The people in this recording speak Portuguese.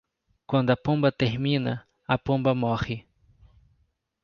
Quando a pomba termina, a pomba morre.